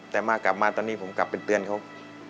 แต่มากลับมาตอนนี้ผมกลับไปเตือนเขา